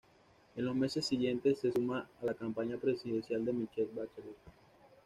En los meses siguientes se suma a la campaña presidencial de Michelle Bachelet.